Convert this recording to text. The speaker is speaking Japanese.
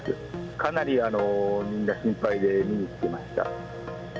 かなりみんな、心配で見に来てました。